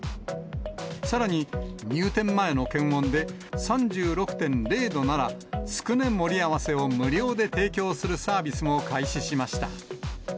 さらに、入店前の検温で３６．０度なら、つくね盛り合わせを無料で提供するサービスも開始しました。